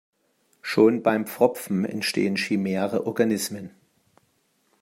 Schon beim Pfropfen entstehen chimäre Organismen.